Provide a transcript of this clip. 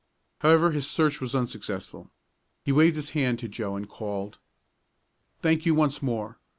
However his search was unsuccessful. He waved his hand to Joe, and called: "Thank you once more.